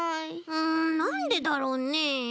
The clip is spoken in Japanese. うんなんでだろうね。